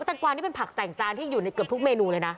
งกวานี่เป็นผักแต่งจานที่อยู่ในเกือบทุกเมนูเลยนะ